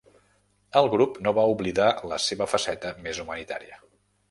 El grup no va oblidar la seva faceta més humanitària.